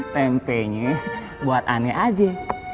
tempenya buat ane aja